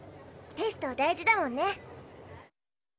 テスト大事だもんね。